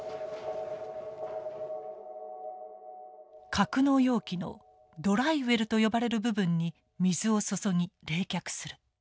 格納容器のドライウェルと呼ばれる部分に水を注ぎ冷却する。